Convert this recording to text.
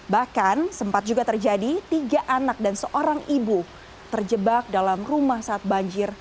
bahkan sempat juga terjadi tiga anak dan seorang ibu terjebak dalam rumah saat banjir